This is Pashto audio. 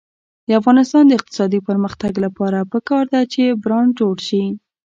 د افغانستان د اقتصادي پرمختګ لپاره پکار ده چې برانډ جوړ شي.